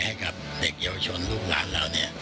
ให้กับเด็กเยาวชนลูกร้านแล้ว